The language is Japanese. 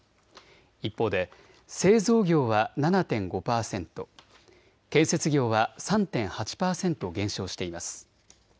一方で製造業は７．５％、建設業は３．８％減少しています。